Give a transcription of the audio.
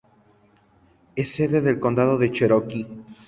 Es sede del condado de Cherokee.